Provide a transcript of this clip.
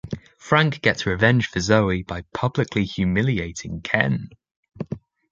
Frank gets revenge for Zoe by publicly humiliating Ken.